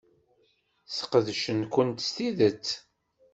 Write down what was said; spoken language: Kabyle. Sqedcen-kent s tidet.